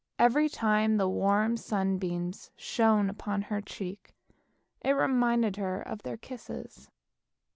Every time the warm sunbeams shone upon her cheek, it reminded her of their kisses.